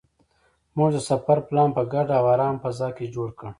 موږ د سفر پلان په ګډه او ارامه فضا کې جوړ کړ.